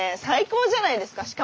最高じゃないですか。